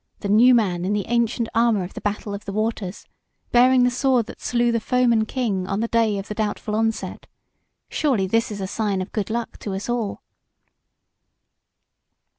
the new man in the ancient armour of the Battle of the Waters, bearing the sword that slew the foeman king on the Day of the Doubtful Onset! Surely this is a sign of good luck to us all."